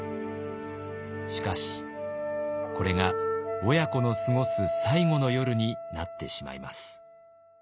しかしこれが親子の過ごす最後の夜になってしまいます。